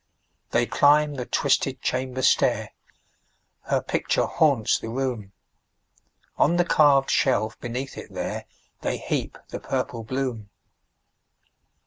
They climb the twisted chamber stair; Her picture haunts the room; On the carved shelf beneath it there, They heap the purple bloom.